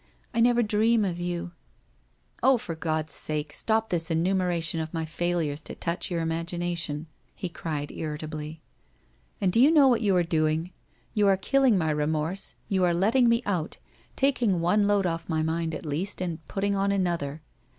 I never dream of you ' 304 WHITE ROSE OF WEARY LEAF ' Oh, for God's sake, stop this enumeration of my fail ures to touch your imagination ?' he cried irritably. ' And do you know what you are doing? You are killing my remorse, you are letting me out, taking one load off my mind at least, and putting another on.